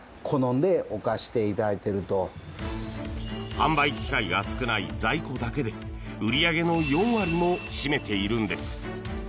販売機会が少ない在庫だけで売り上げの４割も占めているんです！